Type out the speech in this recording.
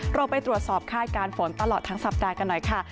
เราไปตรวจสอบคาดการณ์ฝนตลอดทั้งสัปดาห์กันหน่อยค่ะ